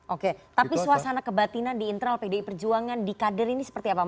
oke tapi suasana kebatinan di internal pdi perjuangan di kader ini seperti apa pak